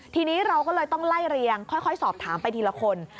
ทีนี้เราก็เลยต้องไล่เรียงค่อยสอบถามไปทีละคน